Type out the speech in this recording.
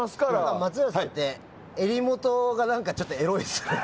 松浦さんって襟元がなんかエロいですね。